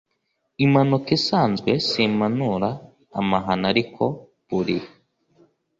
impanuka isanzwe. simpanura amahano, ariko buri